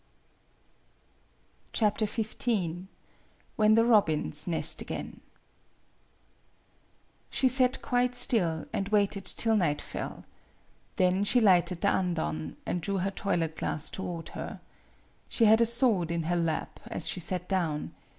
XV WHEN THE ROBINS NEST AGAIN SHE sat quite still, and waited till night fell. Then she lighted the andon, and drew her toilet glass toward her. She had a sword in her lap as she sat down.